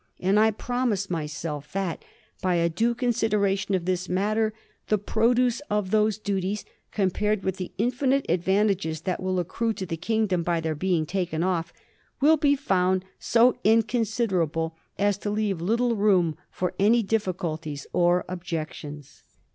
And I promise myself that, by a due consideration of this matter, the pro duce of those duties, compared with the infinite ad vantages that will accrue to the kingdom by their being taken off, will be found so inconsiderable as to leave little room for any difficulties or objections.'